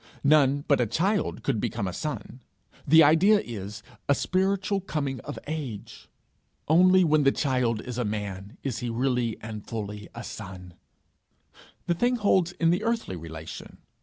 None but a child could become a son; the idea is a spiritual coming of age; only when the child is a man is he really and fully a son. The thing holds in the earthly relation.